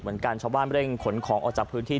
เหมือนกันชาวบ้านไม่ได้ขนของออกจากพื้นที่